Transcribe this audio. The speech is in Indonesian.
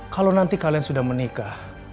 kalau nanti kalian sudah menikah